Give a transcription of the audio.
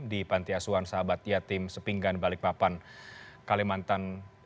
di pantiasuan sahabat yatim sepinggan balikpapan kalimantan